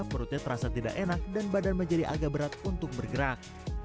perutnya terasa tidak enak dan badan menjadi agak berat untuk bergerak